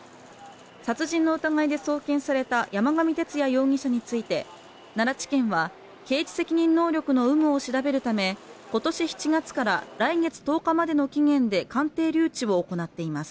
殺人の疑いで送検された山上徹也容疑者について奈良地検は刑事責任能力の有無を調べるため、今年７月から来月１０日までの期限で鑑定留置を行っています。